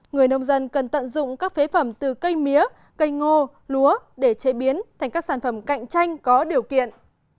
người nông dân cần tận dụng các phế phẩm từ cây mía cây ngô lúa để chế biến thành các sản phẩm cạnh tranh có điều kiện